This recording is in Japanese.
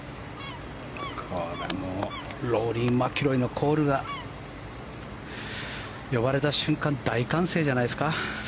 これはローリー・マキロイのコールが呼ばれた瞬間大歓声じゃないですか？